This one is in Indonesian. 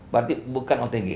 berarti bukan otg